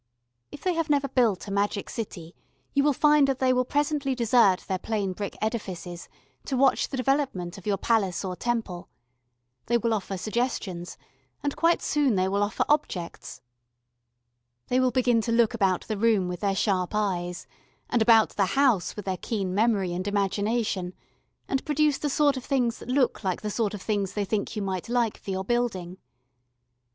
If they have never built a magic city you will find that they will presently desert their plain brick edifices to watch the development of your palace or temple. They will offer suggestions, and quite soon they will offer objects. They will begin to look about the room with their sharp eyes and about the house with their keen memory and imagination, and produce the sort of things that look like the sort of things they think you might like for your building.